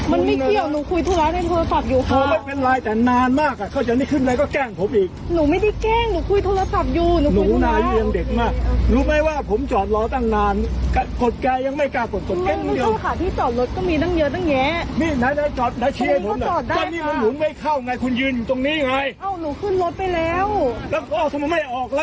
อ้าวหนูไม่เข้าไงคุณยืนตรงนี้ไงอ้าวหนูขึ้นรถไปแล้วแล้วก็ทำไมไม่ออกล่ะ